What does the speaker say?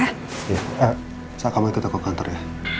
eh saat kamu ikut aku ke kantor ya